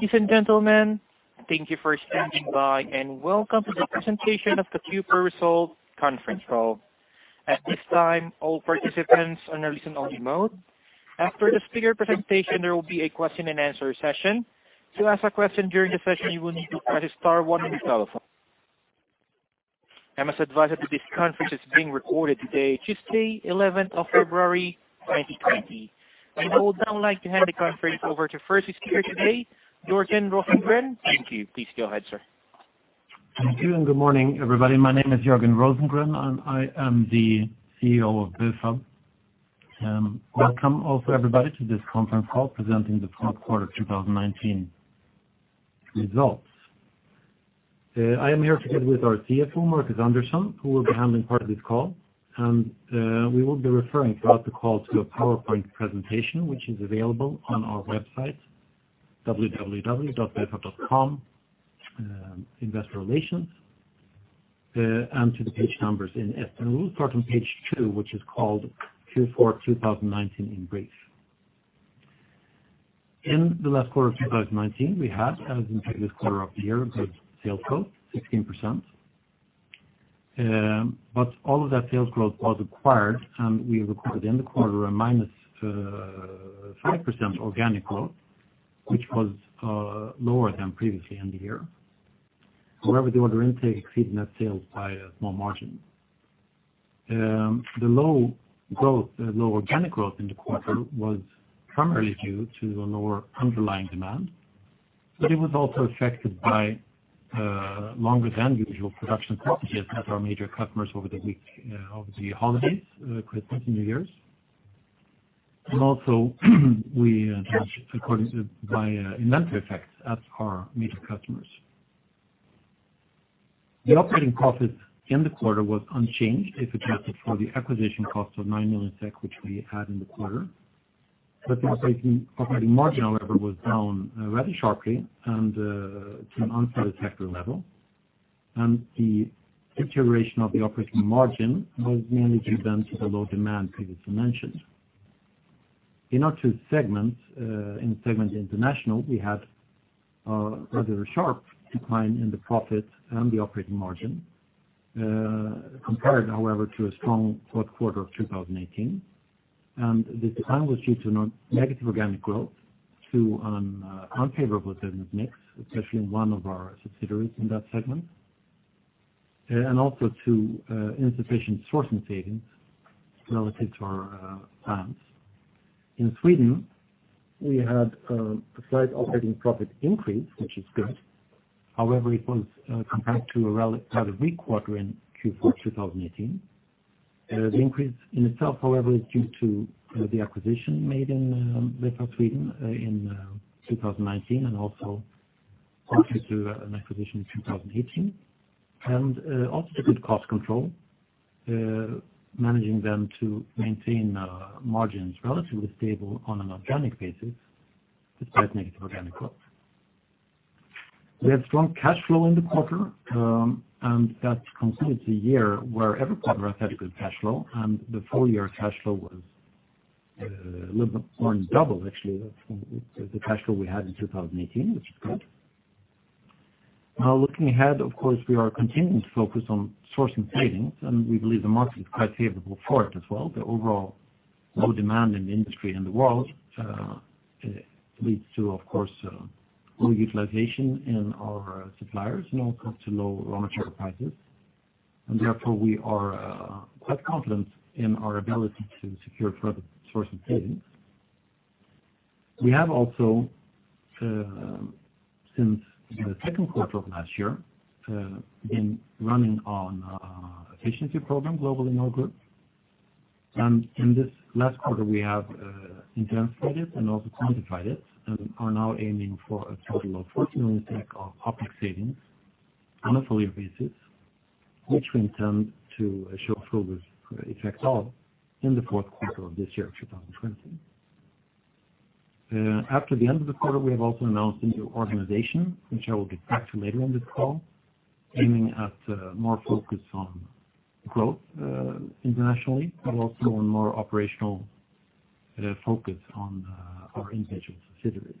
Dear gentlemen, thank you for standing by and welcome to the presentation of the Q4 Results Conference Call. At this time, all participants are listen-only mode. After the speaker presentation, there will be a Q&A session. To ask a question during the session, you will need to press star one on your telephone. I must advise that this conference is being recorded today, Tuesday, 11th of February, 2020. We would now like to hand the conference over to first speaker today, Jörgen Rosengren. Thank you. Please go ahead, sir. Thank you, and good morning, everybody. My name is Jörgen Rosengren, and I am the CEO of Bufab. Welcome also, everybody, to this conference call presenting the Q4 2019 results. I am here together with our CFO, Marcus Andersson, who will be handling part of this call, and we will be referring throughout the call to a PowerPoint presentation which is available on our website, www.bufab.com, Investor Relations, and to the page numbers in [S]. And we will start on page two, which is called Q4 2019 in brief. In the last quarter of 2019, we had, as in previous quarter of the year, good sales growth, 16%. But all of that sales growth was acquired, and we recorded in the quarter a -5% organic growth, which was lower than previously in the year. However, the order intake exceeded net sales by a small margin. The low organic growth in the quarter was primarily due to a lower underlying demand, but it was also affected by longer-than-usual production stoppages at our major customers over the week over the holidays, Christmas and New Year's. Also, we managed according by inventory effects at our major customers. The operating profit in the quarter was unchanged, if adjusted for the acquisition cost of 9 million SEK, which we had in the quarter. But the operating margin, however, was down rather sharply and to an unsatisfactory level. And the deterioration of the operating margin was mainly due then to the low demand previously mentioned. In our two segments, in Segment International, we had rather a sharp decline in the profit and the operating margin compared, however, to a strong Q4 of 2018. This decline was due to negative organic growth, to an unfavorable business mix, especially in one of our subsidiaries in that segment, and also to insufficient sourcing savings relative to our plans. In Sweden, we had a slight operating profit increase, which is good. However, it was compared to a rather weak quarter in Q4 2018. The increase in itself, however, is due to the acquisition made in Bufab Sweden in 2019 and also partially to an acquisition in 2018, and also to good cost control, managing then to maintain margins relatively stable on an organic basis despite negative organic growth. We had strong cash flow in the quarter, and that concluded the year where every quarter has had a good cash flow, and the full-year cash flow was a little bit more than double, actually, the cash flow we had in 2018, which is good. Now, looking ahead, of course, we are continuing to focus on sourcing savings, and we believe the market is quite favorable for it as well. The overall low demand in the industry and the world leads to, of course, low utilization in our suppliers and also to low raw material prices. Therefore, we are quite confident in our ability to secure further sourcing savings. We have also, since the Q2 of last year, been running on an efficiency program globally in our group. In this last quarter, we have intensified it and also quantified it and are now aiming for a total of 40 million of cost savings on a full-year basis, which we intend to show a full effect of in the Q4 of this year, 2020. After the end of the quarter, we have also announced a new organization, which I will get back to later on this call, aiming at more focus on growth internationally but also on more operational focus on our individual subsidiaries.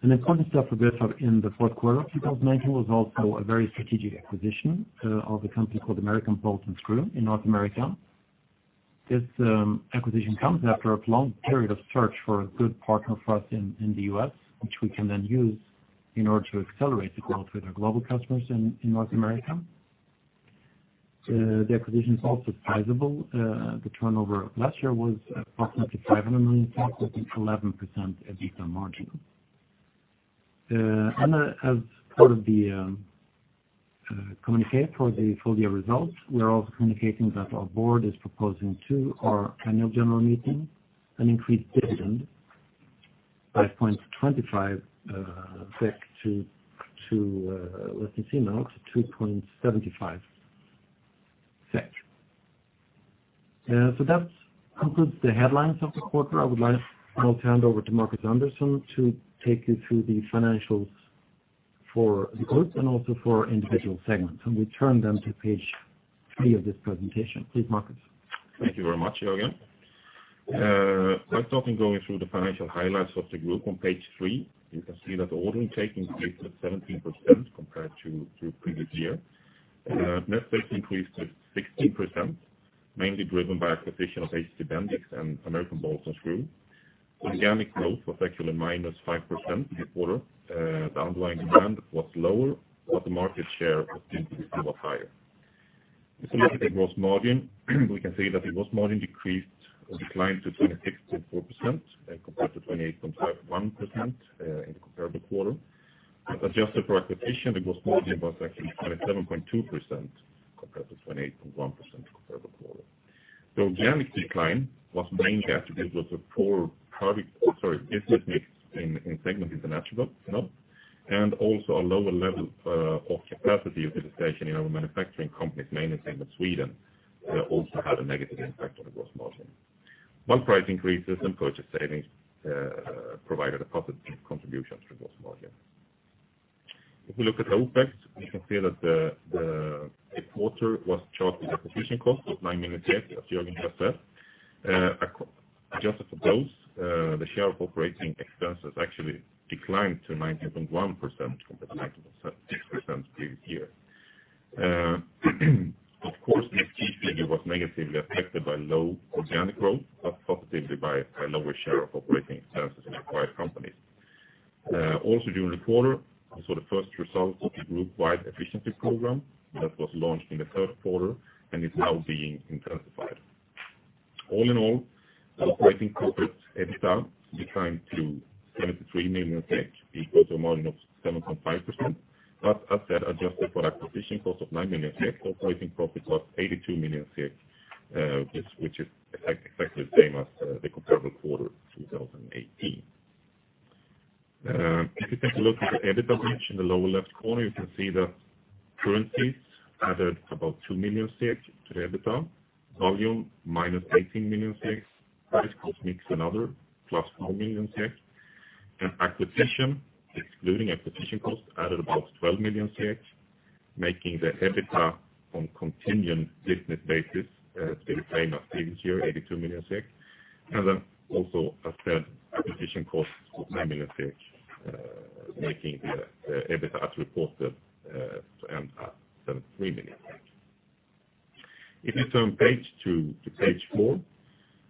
An important step for Bufab in the Q4 of 2019 was also a very strategic acquisition of a company called American Bolt & Screw in North America. This acquisition comes after a long period of search for a good partner for us in the U.S., which we can then use in order to accelerate the growth with our global customers in North America. The acquisition is also sizable. The turnover of last year was approximately 500 million with an 11% EBITDA margin. As part of the communiqué for the full-year results, we are also communicating that our board is proposing to our annual general meeting an increased dividend, 5.25 SEK, let me see now, to 2.75 SEK. That concludes the headlines of the quarter. I would now turn it over to Marcus Andersson to take you through the financials for the group and also for individual segments. We turn them to page three of this presentation. Please, Marcus Andersson. Thank you very much, Jörgen Rosengren. By starting going through the financial highlights of the group on page three, you can see that order intake increased with 17% compared to previous year. Net sales increased with 16%, mainly driven by acquisition of HT Bendix and American Bolt & Screw. Organic growth was actually -5% this quarter. The underlying demand was lower, but the market share was seen to be somewhat higher. If we look at the gross margin, we can see that the gross margin declined to 26.4% compared to 28.51% in the comparable quarter. But adjusted for acquisition, the gross margin was actually 27.2% compared to 28.1% comparable quarter. The organic decline was mainly attributed to poor product sorry, business mix in Segment International and also a lower level of capacity utilization in our manufacturing companies, mainly in Sweden, also had a negative impact on the gross margin. Well-priced increases and purchase savings provided a positive contribution to the gross margin. If we look at the OpEx, we can see that the quarter was charged with acquisition costs of 9 million, as Jörgen Rosengren just said. Adjusted for those, the share of operating expenses actually declined to 19.1% compared to 19.6% previous year. Of course, the EBITDA figure was negatively affected by low organic growth but positively by lower share of operating expenses in acquired companies. Also, during the quarter, we saw the first results of the group-wide efficiency program that was launched in the Q3 and is now being intensified. All in all, the operating profit EBITDA declined to 73 million, equal to a margin of 7.5%. But as said, adjusted for acquisition costs of 9 million, the operating profit was 82 million, which is exactly the same as the comparable quarter 2018. If you take a look at the EBITDA bridge in the lower left corner, you can see that currencies added about 2 million to the EBITDA, volume -18 million, price cost mix and other +4 million, and acquisition, excluding acquisition costs, added about 12 million, making the EBITDA on continuing business basis still the same as previous year, SEK 82 million. And then also, as said, acquisition costs of 9 million SEK, making the EBITDA as reported to end at 73 million SEK. If you turn page two-page four,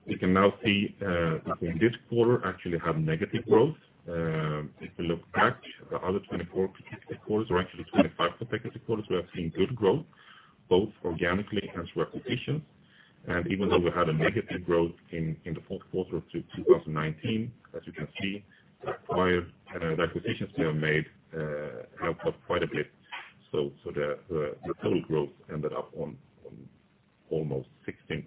you can now see that we in this quarter actually had negative growth. If we look back, the other 24 consecutive quarters or actually 25 consecutive quarters, we have seen good growth, both organically and through acquisitions. Even though we had a negative growth in the Q4 of 2019, as you can see, the acquisitions we have made helped us quite a bit, so the total growth ended up on almost 16%.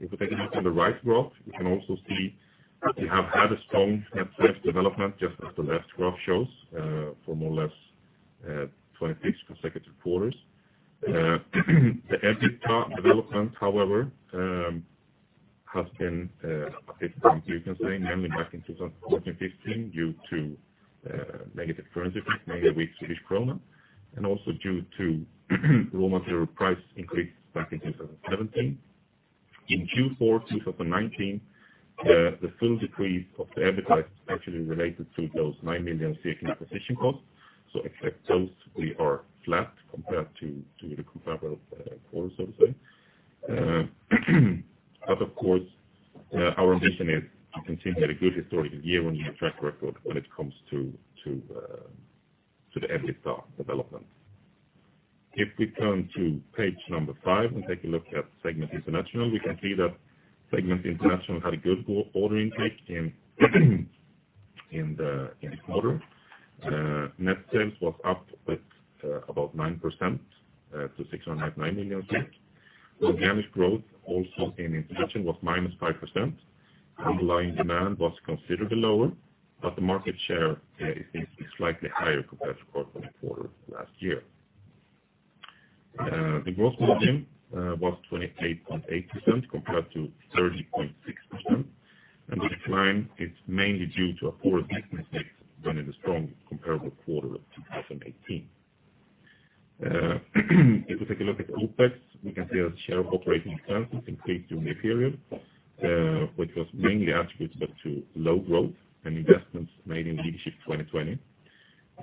If we take a look on the right graph, you can also see we have had a strong net price development, just as the left graph shows, for more or less 26 consecutive quarters. The EBITDA development, however, has been a bit bumpy, you can say, mainly back in 2015 due to negative currency fees, mainly weak SEK, and also due to raw material price increase back in 2017. In Q4 2019, the full decrease of the EBITDA is actually related to those 9 million acquisition costs. So except those, we are flat compared to the comparable quarter, so to say. Of course, our ambition is to continue a good historical year-on-year track record when it comes to the EBITDA development. If we turn to page five and take a look at Segment International, we can see that Segment International had a good order intake in this quarter. Net sales was up with about 9% to 699 million. Organic growth also in International was -5%. Underlying demand was considerably lower, but the market share is seen to be slightly higher compared to quarter-to-quarter last year. The gross margin was 28.8% compared to 30.6%, and the decline is mainly due to a poor business mix than in the strong comparable quarter of 2018. If we take a look at OpEx, we can see that the share of operating expenses increased during the period, which was mainly attributed to low growth and investments made in Leadership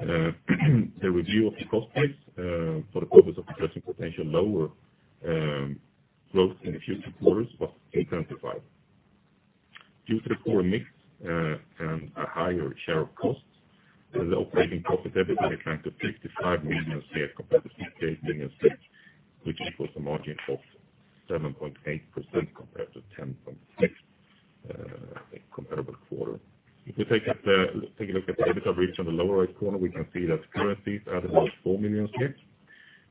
2020. The review of the cost base for the purpose of addressing potential lower growth in the future quarters was intensified. Due to the poor mix and a higher share of costs, the operating profit EBITDA declined to 55 million compared to 58 million, which equals a margin of 7.8% compared to 10.6% in the comparable quarter. If we take a look at the EBITDA reach on the lower right corner, we can see that currencies added about 4 million.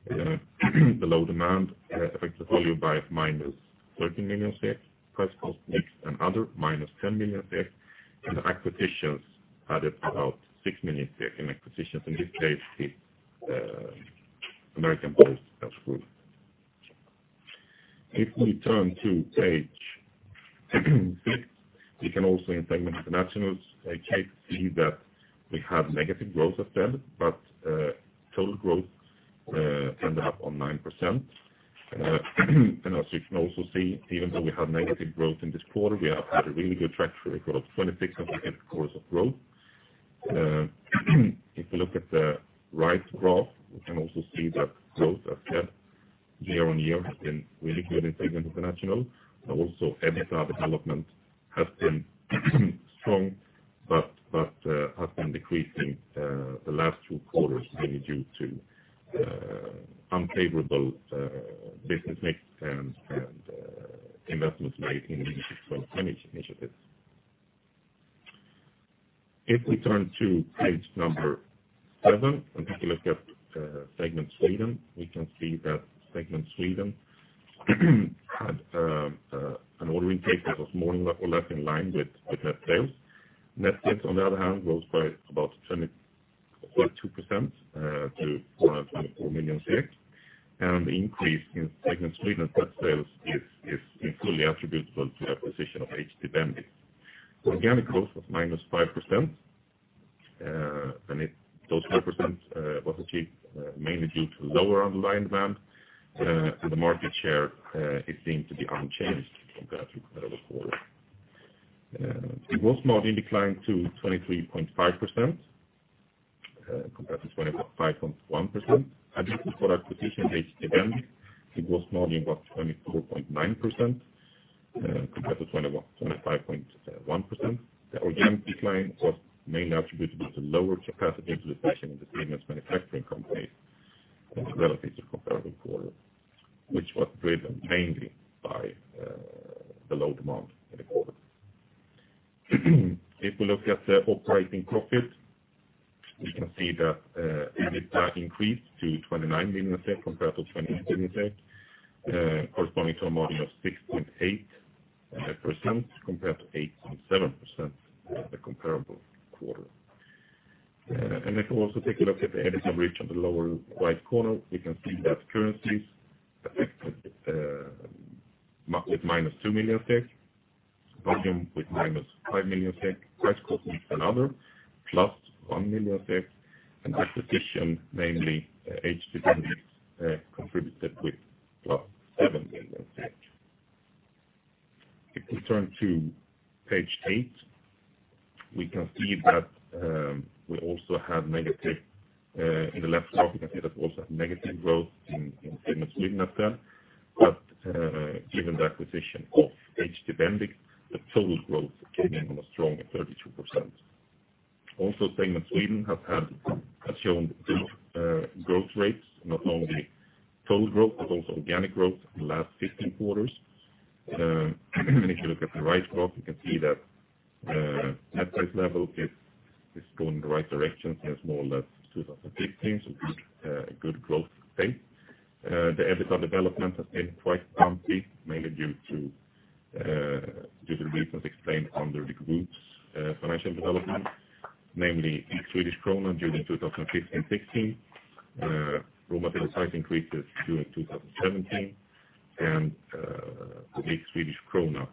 The low demand affected the volume by -13 million SEK, price cost mix and other -10 million SEK, and the acquisitions added about 6 million, and acquisitions, in this case, is American Bolt & Screw. If we turn to page six, we can also in Segment International see that we had negative growth as said, but total growth ended up on 9%. As you can also see, even though we had negative growth in this quarter, we have had a really good track record of 26 consecutive quarters of growth. If we look at the right graph, we can also see that growth as said, year-on-year, has been really good in Segment International. Also, EBITDA development has been strong but has been decreasing the last two quarters, mainly due to unfavorable business mix and investments made in Leadership 2020 initiatives. If we turn to page number seven and take a look at Segment Sweden, we can see that Segment Sweden had an order intake that was more or less in line with net sales. Net sales, on the other hand, rose by about 22% to 424 million, and the increase in Segment Sweden's net sales is fully attributable to the acquisition of HT Bendix. Organic growth was -5%, and those 5% was achieved mainly due to lower underlying demand, and the market share is seen to be unchanged compared to comparable quarter. Gross margin declined to 23.5% compared to 25.1%. Additional product acquisition at HT Bendix, it was more than what, 24.9% compared to 25.1%. The organic decline was mainly attributable to lower capacity utilization in the segments manufacturing companies relative to comparable quarter, which was driven mainly by the low demand in the quarter. If we look at the operating profit, we can see that EBITDA increased to 29 million compared to 28 million, corresponding to a margin of 6.8% compared to 8.7% in the comparable quarter. If we also take a look at the EBITDA reach on the lower right corner, we can see that currencies affected with -2 million, volume with -5 million, price cost mix and other +SEK 1 million, and acquisition, mainly HT Bendix, contributed with +7 million. If we turn to page eight, we can see that we also had negative in the left graph, we can see that we also had negative growth in Segment Sweden as said. But given the acquisition of HT Bendix, the total growth came in on a strong 32%. Also, Segment Sweden has shown good growth rates, not only total growth but also organic growth in the last 15 quarters. And if you look at the right graph, you can see that net price level is going in the right direction since more or less 2015, so good growth state. The EBITDA development has been quite bumpy, mainly due to the reasons explained under the group's financial development, namely weak SEK during 2015/2016, raw material price increases during 2017, and weak Swedish krona,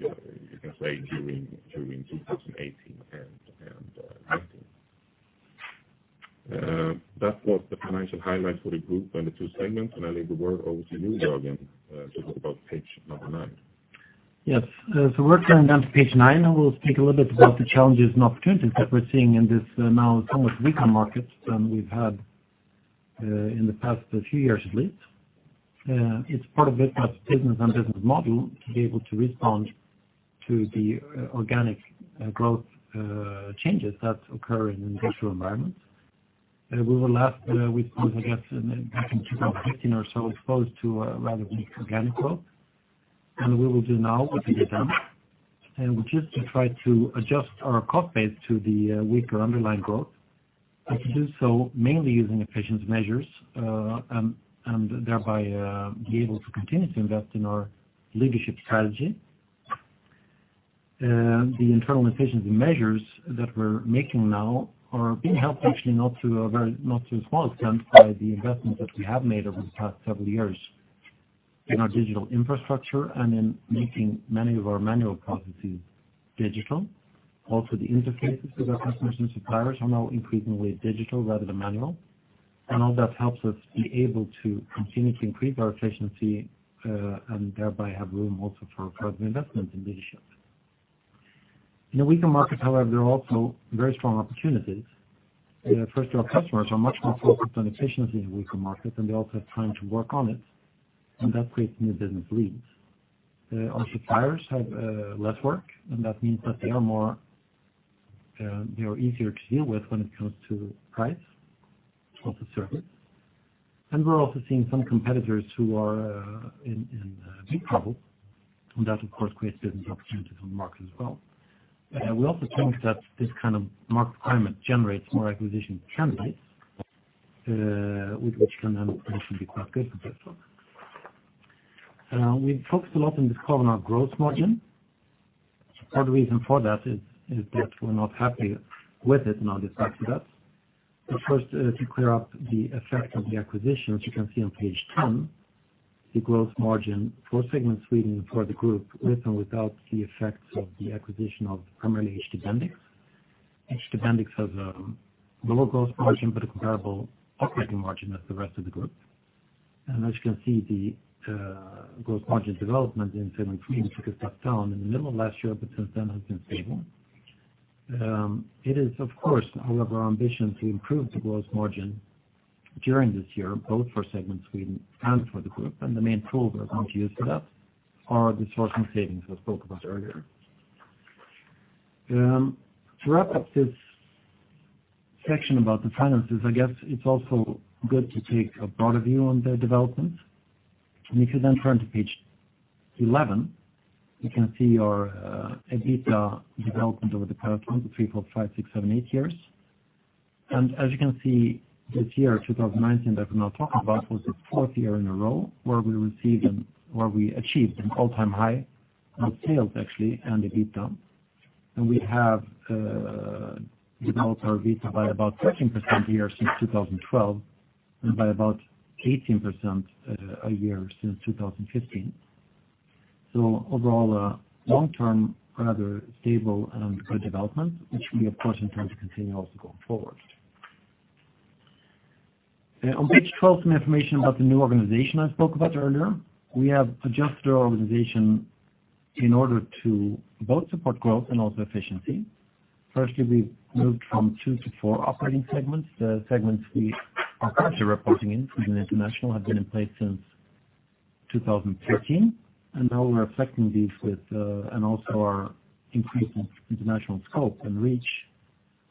you can say, during 2018 and 2019. That was the financial highlights for the group and the two segments, and I'll leave the word over to you, Jörgen Rosengren, to talk about page number nine. Yes. So we're turning down to page nine. I will speak a little bit about the challenges and opportunities that we're seeing in this now somewhat weaker market than we've had in the past few years, at least. It's part of business and business model to be able to respond to the organic growth changes that occur in industrial environments. We were, I guess, back in 2015 or so exposed to rather weak organic growth. And what we will do now, what we did then, which is to try to adjust our cost base to the weaker underlying growth and to do so mainly using efficiency measures and thereby be able to continue to invest in our leadership strategy. The internal efficiency measures that we're making now are being helped actually not to a very small extent by the investments that we have made over the past several years in our digital infrastructure and in making many of our manual processes digital. Also, the interfaces with our customers and suppliers are now increasingly digital rather than manual, and all that helps us be able to continue to increase our efficiency and thereby have room also for further investments in leadership. In a weaker market, however, there are also very strong opportunities. First, our customers are much more focused on efficiency in a weaker market, and they also have time to work on it, and that creates new business leads. Our suppliers have less work, and that means that they are easier to deal with when it comes to price of the service. We're also seeing some competitors who are in big trouble, and that, of course, creates business opportunities on the market as well. We also think that this kind of market climate generates more acquisition candidates, which can then potentially be quite good for this one. We've focused a lot in this quarter on our growth margin. Part of the reason for that is that we're not happy with it, and I'll get back to that. First, to clear up the effect of the acquisitions, you can see on page 10 the growth margin for Segment Sweden and for the group with and without the effects of the acquisition of primarily HT Bendix. HT Bendix has a lower growth margin but a comparable operating margin as the rest of the group. As you can see, the growth margin development in Segment Sweden took a step down in the middle of last year, but since then has been stable. It is, of course, however, our ambition to improve the growth margin during this year, both for Segment Sweden and for the group, and the main tools we're going to use for that are the source and savings I spoke about earlier. To wrap up this section about the finances, I guess it's also good to take a broader view on the developments. If you then turn to page 11, you can see our EBITDA development over the past one, two, three, four, five, six, seven, eight years. And as you can see, this year, 2019, that we're now talking about was its fourth year in a row where we achieved an all-time high in sales, actually, and EBITDA. We have developed our EBITDA by about 13% a year since 2012 and by about 18% a year since 2015. Overall, a long-term, rather stable and good development, which we, of course, intend to continue also going forward. On page 12, some information about the new organization I spoke about earlier. We have adjusted our organization in order to both support growth and also efficiency. Firstly, we've moved from two to four operating segments. The segments we are currently reporting in, Sweden International, have been in place since 2013, and now we're reflecting these with and also our increase in international scope and reach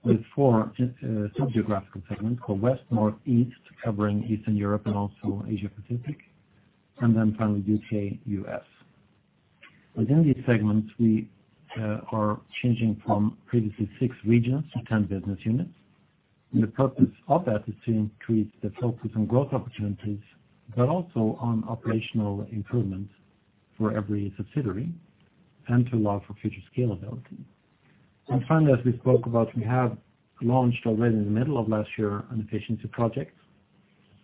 with four subgeographical segments for West, North, East, covering Eastern Europe and also Asia-Pacific, and then finally, U.K., U.S. Within these segments, we are changing from previously six regions to 10 business units, and the purpose of that is to increase the focus on growth opportunities but also on operational improvements for every subsidiary and to allow for future scalability. Finally, as we spoke about, we have launched already in the middle of last year an efficiency project,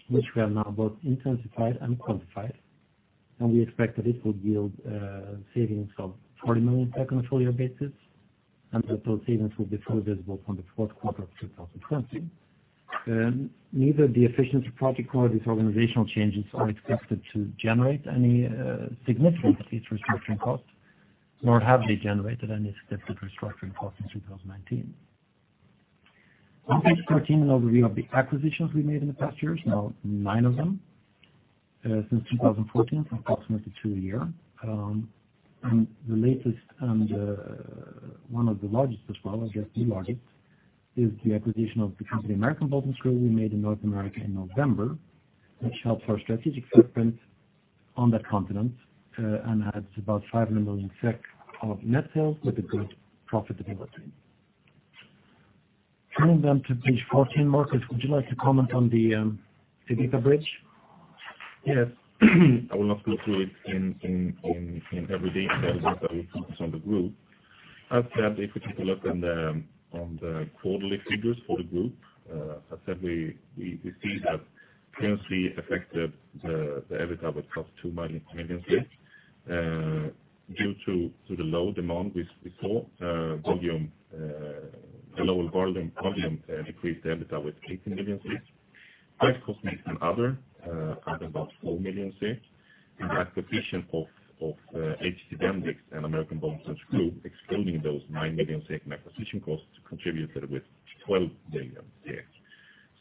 which we have now both intensified and quantified, and we expect that it will yield savings of 40 million on a full-year basis and that those savings will be fully visible from the Q4 of 2020. Neither the efficiency project nor these organizational changes are expected to generate any significant restructuring cost nor have they generated any significant restructuring cost in 2019. On page 13, an overview of the acquisitions we made in the past years, now nine of them since 2014, so approximately two a year. And the latest and one of the largest as well, I guess the largest, is the acquisition of the company American Bolt & Screw we made in North America in November, which helped our strategic footprint on that continent and adds about 500 million SEK of net sales with a good profitability. Turning then to page 14, Marcus Andersson, would you like to comment on the EBITDA bridge? Yes. I will not go through it in every detail, but I will focus on the group. As said, if we take a look on the quarterly figures for the group, as said, we see that currency affected the EBITDA with +2 million due to the low demand we saw. Volume, the lower volume decreased the EBITDA with 18 million. Price cost mix and other added about 4 million. And the acquisition of HT Bendix and American Bolt & Screw, excluding those 9 million in acquisition costs, contributed with 12 million.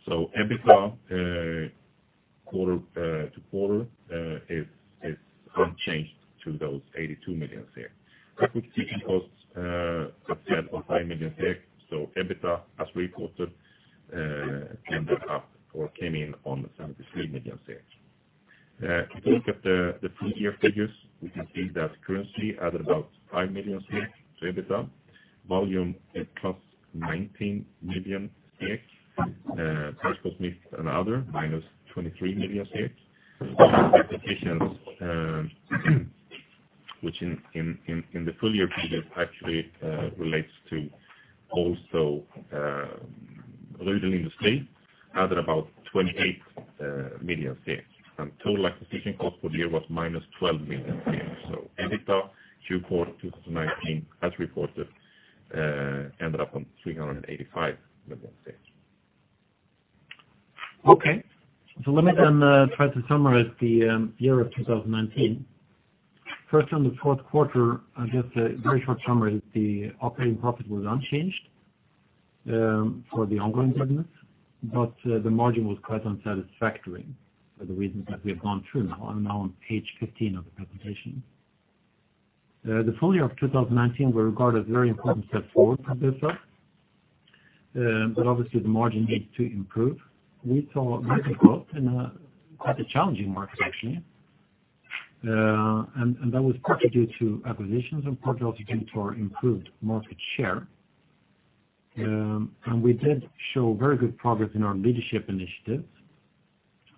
So EBITDA quarter-to-quarter is unchanged to those 82 million. Acquisition costs, as said, were 5 million, so EBITDA as reported ended up or came in on 73 million. If we look at the three-year figures, we can see that currency added about 5 million to EBITDA. Volume is +19 million. Price, cost, mix and other -SEK 23 million. Acquisitions, which in the full-year figures actually relates to also Rudhäll Industri AB added about 28 million. Total acquisition cost for the year was -12 million. EBITDA Q4 2019, as reported, ended up on 385 million. Okay. So let me then try to summarize the year of 2019. First, on the Q4, I guess a very short summary is the operating profit was unchanged for the ongoing business, but the margin was quite unsatisfactory for the reasons that we have gone through now. I'm now on page 15 of the presentation. The full year of 2019, we regard as a very important step forward for this one, but obviously, the margin needs to improve. We saw margin growth in a challenging market, actually, and that was partly due to acquisitions and partly also due to our improved market share. And we did show very good progress in our leadership initiatives.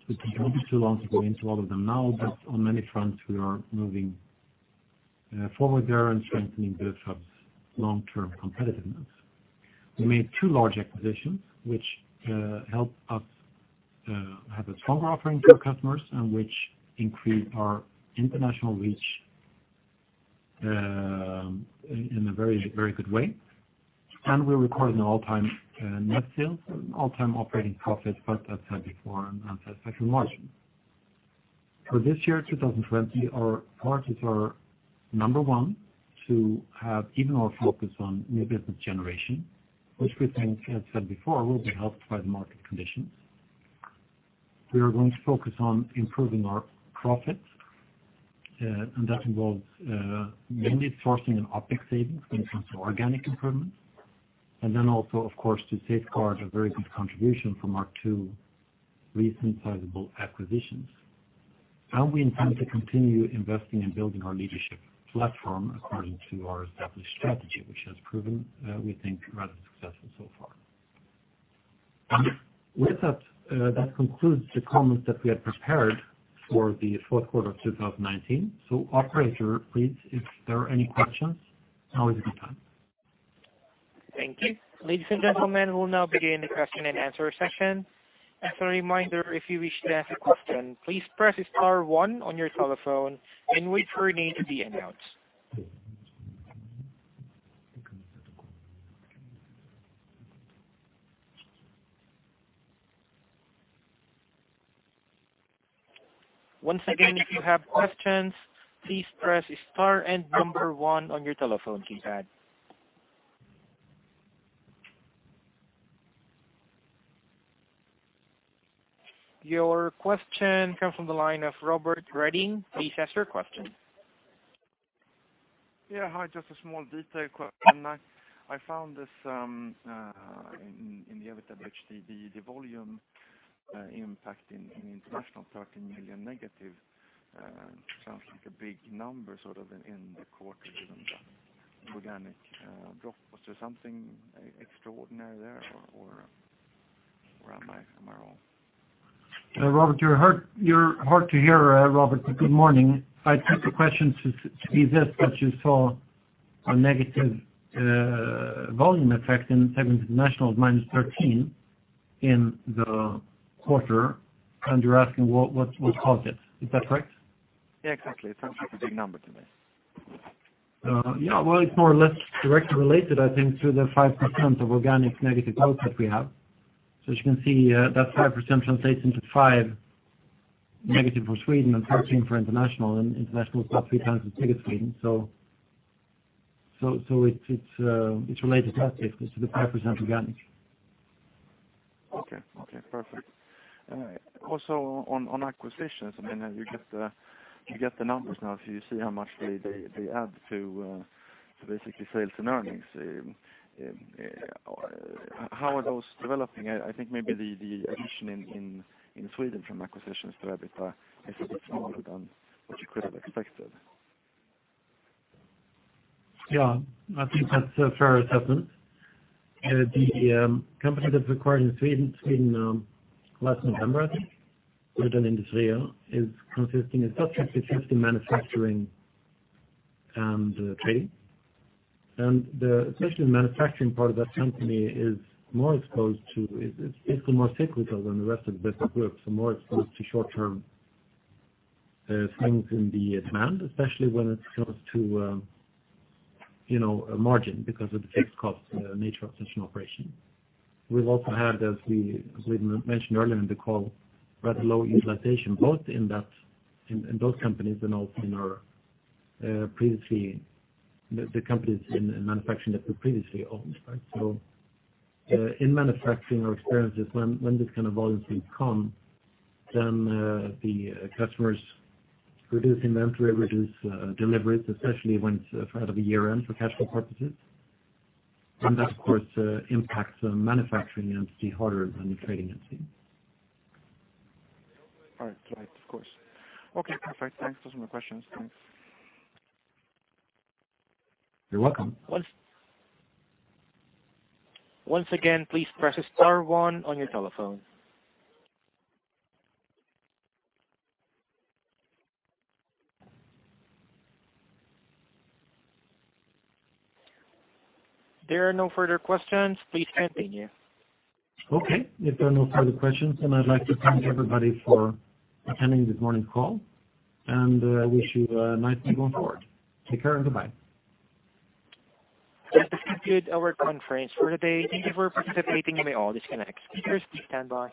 We didn't need too long to go into all of them now, but on many fronts, we are moving forward there and strengthening Bufab's long-term competitiveness. We made two large acquisitions, which helped us have a stronger offering to our customers and which increased our international reach in a very, very good way. And we recorded an all-time net sales, an all-time operating profit, but as said before, an unsatisfactory margin. For this year, 2020, our priorities are number one to have even more focus on new business generation, which we think, as said before, will be helped by the market conditions. We are going to focus on improving our profits, and that involves mainly sourcing and OpEx savings when it comes to organic improvement, and then also, of course, to safeguard a very good contribution from our two recent sizable acquisitions. And we intend to continue investing in building our leadership platform according to our established strategy, which has proven, we think, rather successful so far. With that, that concludes the comments that we had prepared for the Q4 of 2019. Operator, please, if there are any questions, now is a good time. Thank you. Ladies and gentlemen, we'll now begin the Q&A session. As a reminder, if you wish to ask a question, please press star one on your telephone and wait for your name to be announced. Once again, if you have questions, please press star and number one on your telephone keypad. Your question comes from the line of Robert Redin. Please ask your question. Yeah. Hi. Just a small detail question. I found this in the EBITDA bridge, the volume impact in international, -13 million, sounds like a big number sort of in the quarter given the organic drop. Was there something extraordinary there, or am I wrong? Robert Redin, you're hard to hear, Robert Redin. Good morning. I think the question should be this: that you saw a negative volume effect in Segment International of -13 million in the quarter, and you're asking what caused it. Is that correct? Yeah, exactly. It sounds like a big number to me. Yeah. Well, it's more or less directly related, I think, to the 5% organic negative growth that we have. So as you can see, that 5% translates into -5% for Sweden and -13% for International, and International is about 3x as big as Sweden. So it's related to that, basically, to the 5% organic. Okay. Okay. Perfect. Also, on acquisitions, I mean, you get the numbers now. So you see how much they add to basically sales and earnings. How are those developing? I think maybe the addition in Sweden from acquisitions to EBITDA is a bit smaller than what you could have expected. Yeah. I think that's a fair assessment. The company that's acquired in Sweden last November, I think, Rudhäll Industri, is consisting of about 50/50 manufacturing and trading. And especially the manufacturing part of that company is more exposed to it's basically more cyclical than the rest of the business group, so more exposed to short-term swings in the demand, especially when it comes to margin because of the fixed cost nature of such an operation. We've also had, as we mentioned earlier in the call, rather low utilization both in those companies and also in our previously the companies in manufacturing that we previously owned, right? So in manufacturing, our experience is when this kind of volume swings come, then the customers reduce inventory, reduce deliveries, especially when it's right at the year-end for cash flow purposes. And that, of course, impacts manufacturing entity harder than the trading entity. All right. Right. Of course. Okay. Perfect. Thanks. Those are my questions. Thanks. You're welcome. Once again, please press star one on your telephone. There are no further questions. Please continue. Okay. If there are no further questions, then I'd like to thank everybody for attending this morning's call, and I wish you a nice day going forward. Take care and goodbye. Thank you for participating in my all-day schedule. Speak time now.